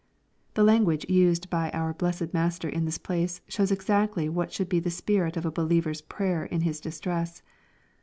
The language used by our blessed Master in this place shows exactly what should be the spirit of a believer's prayer in his distress.